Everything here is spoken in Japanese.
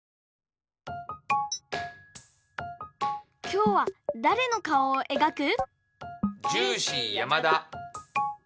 きょうはだれのかおをえがく？